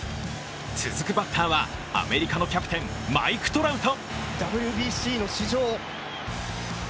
続くバッターはアメリカのキャプテン、マイク・トラウト。